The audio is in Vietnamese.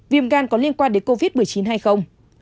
viêm gan có liên quan đến covid một mươi chín hay không